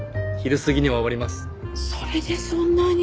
それでそんなに？